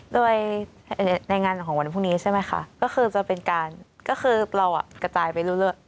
โดยในงานของวันพรุ่งนี้ใช่ไหมคะก็คือจะเป็นการก็คือเรากระจายไปเรื่อย